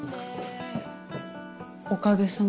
「おかげさま」？